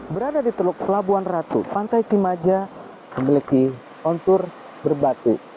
berada di teluk pelabuhan ratu pantai cimaja memiliki kontur berbatu